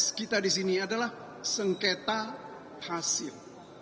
tugas kita di sini adalah sengketa hasil